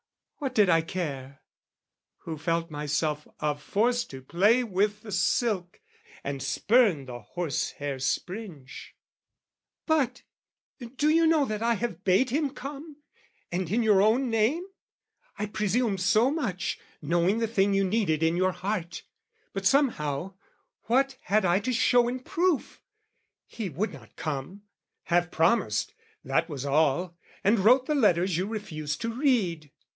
What did I care? who felt myself of force To play with the silk, and spurn the horsehair springe. "But do you know that I have bade him come, "And in your own name? I presumed so much, "Knowing the thing you needed in your heart. "But somehow what had I to show in proof? "He would not come: half promised, that was all, "And wrote the letters you refused to read.